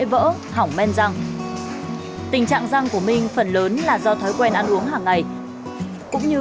vỡ hỏng men răng tình trạng răng của minh phần lớn là do thói quen ăn uống hàng ngày cũng như